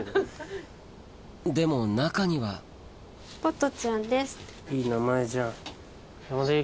でも中にはポトちゃんです。